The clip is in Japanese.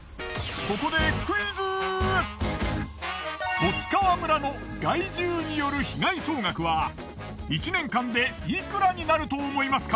十津川村の害獣による被害総額は一年間でいくらになると思いますか？